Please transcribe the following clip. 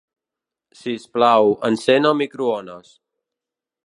Sisplau, encén el microones.